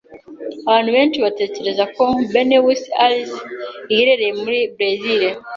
Abantu benshi batekereza ko Buenos Aires iherereye muri Berezile.